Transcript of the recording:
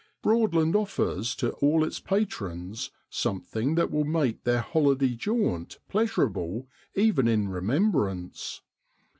Broadland offers to all its patrons something that will make their holiday jaunt pleasurable even in remembrance.